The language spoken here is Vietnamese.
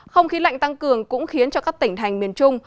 không khí lạnh tăng cường cũng khiến cho các tỉnh thành miền trung